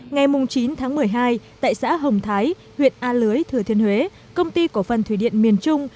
ngày chín tháng một mươi hai tại xã hồng thái huyện a lưới thừa thiên huế công ty cổ phần thủy điện miền trung